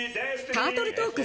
タートル・トーク